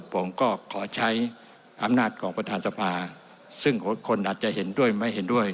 ผมก็ขอใช้อำนาจของประธานสภาซึ่งคนอาจจะเห็นด้วยไม่เห็นด้วย